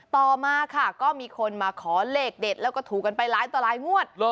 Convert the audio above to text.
ต่อมาค่ะก็มีคนมาขอเลขเด็ดแล้วก็ถูกกันไปหลายต่อหลายงวด